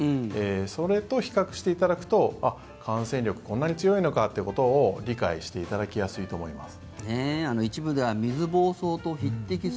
それと比較していただくと感染力こんなに強いのかということを理解していただきやすいと思います。